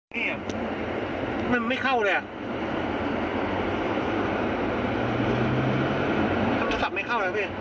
นี่แต่แป๊บลูกตะเฉ้าน่ะพวกมันค่ะ